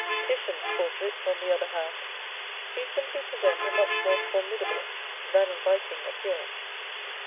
Titian's portraits, on the other hand, frequently present a much more formidable than inviting appearance.